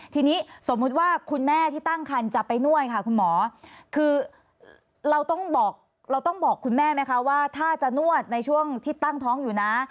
ทีนี้สมมุติว่าคุณแม่ที่ตั้งคันจะไปนวดค่ะคุณหมอคือเราต้องบอกเราต้องบอกคุณแม่ไหมคะว่าถ้าจะนวดในช่วงที่ตั้งท้องอยู่นะ